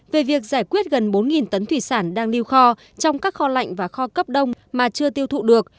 về việc giải quyết gần bốn tấn thủy sản đang lưu kho trong các kho lạnh và kho cấp đông mà chưa tiêu thụ được